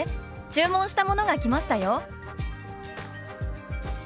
注文したものが来ましたよ」。